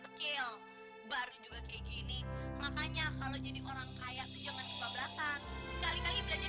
kecil baru juga kayak gini makanya kalau jadi orang kaya kejangan lima belas an sekali kali belajar